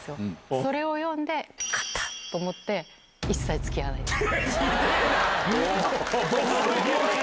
それを読んで、勝ったって思って、一切つきあわないです。